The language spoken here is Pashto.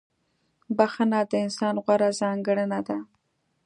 • بخښنه د انسان غوره ځانګړنه ده.